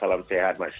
selamat berbuka puasa